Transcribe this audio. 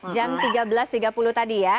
jam tiga belas tiga puluh tadi ya